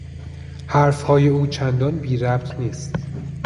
حرفهای او چندان بیربط نیست.